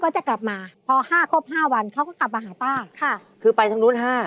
จึงไปทั้งนู้น๕